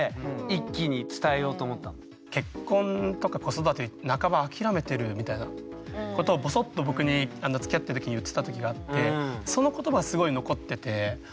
それ何で皓史さんはただのみたいなことをボソッと僕につきあってる時に言ってた時があってその言葉がすごい残ってて。